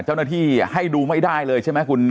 เจ้าหน้าที่ให้ดูไม่ได้เลยใช่ไหมคุณ